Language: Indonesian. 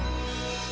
yaudah saya juga cari